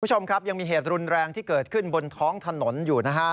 คุณผู้ชมครับยังมีเหตุรุนแรงที่เกิดขึ้นบนท้องถนนอยู่นะฮะ